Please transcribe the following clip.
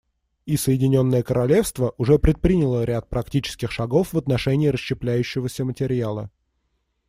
И Соединенное Королевство уже предприняло ряд практических шагов в отношении расщепляющегося материала.